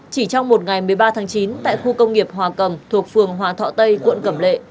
chỉ trong một ngày một mươi ba tháng chín tại khu công nghiệp hòa cầm thuộc phường hòa thọ tây quận cẩm lệ